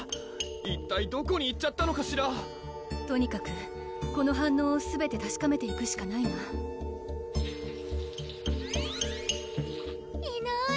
一体どこに行っちゃったのかしらとにかくこの反応をすべてたしかめていくしかないないない！